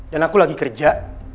dan aku lagi kerja